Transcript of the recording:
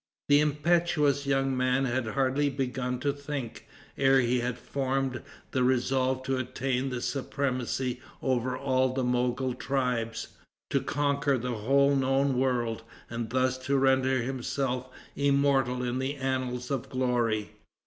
The impetuous young man had hardly begun to think, ere he had formed the resolve to attain the supremacy over all the Mogol tribes, to conquer the whole known world, and thus to render himself immortal in the annals of glory.